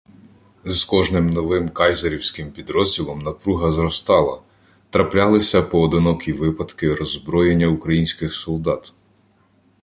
З кожним новим кайзерівським підрозділом напруга зростала, траплялися поодинокі випадки роззброєння українських солдат.